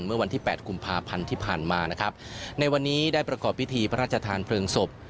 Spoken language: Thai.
เมื่อวันที่แปดกุมภาพันธ์ที่ผ่านมานะครับในวันนี้ได้ประกอบพิธีพระราชทานเพลิงศพ